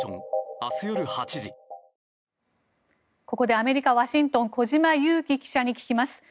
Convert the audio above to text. ここでアメリカ・ワシントン小島佑樹記者に聞きます。